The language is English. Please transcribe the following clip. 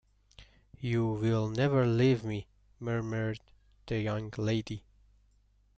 “You will never leave me,” murmured the young lady.